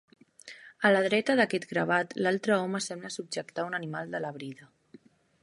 A la dreta d'aquest gravat altre home sembla subjectar un animal de la brida.